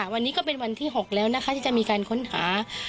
วันนี้ก็เป็นวันที่๖แล้วนะคะที่จะมีการค้นหา